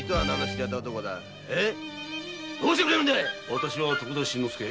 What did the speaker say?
私は徳田新之助。